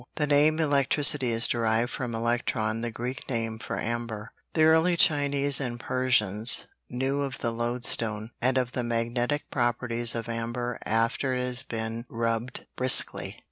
The name electricity is derived from elektron, the Greek name for amber. The early Chinese and Persians knew of the lodestone, and of the magnetic properties of amber after it has been rubbed briskly.